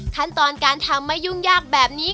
ขั้นตอนการทำไม่ยุ่งยากแบบนี้